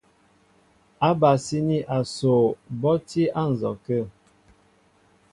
Ábasíní asoo bɔ́ á tí á nzɔkə̂.